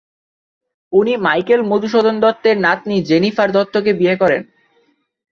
উনি মাইকেল মধুসূদন দত্তের নাতনী জেনিফার দত্তকে বিয়ে করেন।